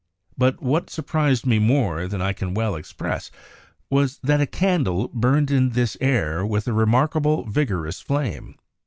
But what surprised me more than I can well express, was that a candle burned in this air with a remarkably vigor ous flame.